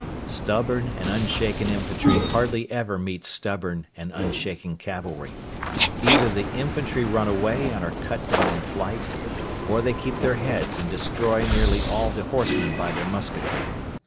Stubborn and unshaken infantry hardly ever meet stubborn and unshaken cavalry. Either the infantry run away and are cut down in flight, or they keep their heads and destroy nearly all the horsemen by their musketry.